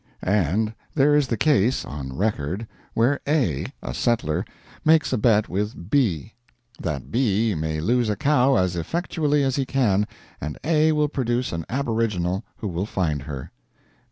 And there is the case, on record where A., a settler, makes a bet with B., that B. may lose a cow as effectually as he can, and A. will produce an aboriginal who will find her.